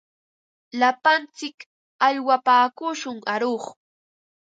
Lapantsik aywapaakushun aruq.